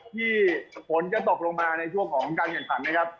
ที่ผลจะตกลงมาในช่วงของการเกี่ยงสรรค์นะครับ